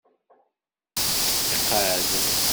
Iqeεεed.